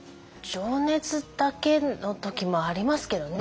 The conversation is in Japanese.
情熱だけの時もありますけどね。